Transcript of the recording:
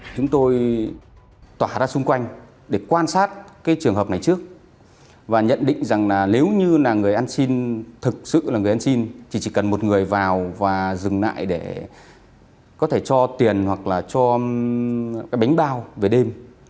chúng tôi tỏa ra xung quanh để quan sát cái trường hợp này trước và nhận định rằng là nếu như là người ăn xin thực sự là người ăn xin thì chỉ cần một người vào và dừng lại để có thể cho tiền hoặc là cho cái bánh bao về đêm